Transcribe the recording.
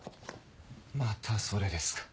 またそれですか。